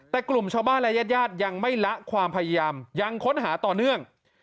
แต่กลุ่มชาวบ้านและญาติญาติยังไม่ละความพยายามยังค้นหาต่อเนื่อง